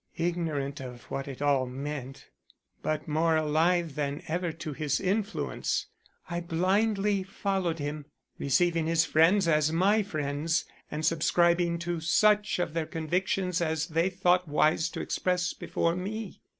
Ignorant of what it all meant, but more alive than ever to his influence, I blindly followed him, receiving his friends as my friends and subscribing to such of their convictions as they thought wise to express before me.